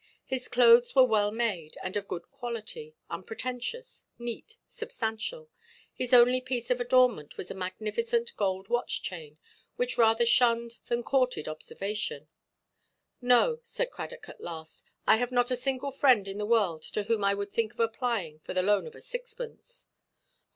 His clothes were well made, and of good quality, unpretentious, neat, substantial. His only piece of adornment was a magnificent gold watch–chain, which rather shunned than courted observation. "No," said Cradock, at last, "I have not a single friend in the world to whom I would think of applying for the loan of a sixpence."